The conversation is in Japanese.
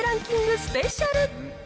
スペシャル。